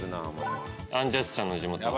アンジャッシュさんの地元。